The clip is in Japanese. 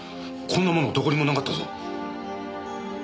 こんなものどこにもなかったぞ。